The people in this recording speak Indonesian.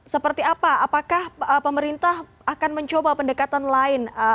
seperti apa apakah pemerintah akan mencoba pendekatan lain